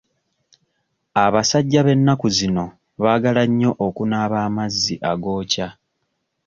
Abasajja b'ennaku zino baagala nnyo okunaaba amazzi agookya.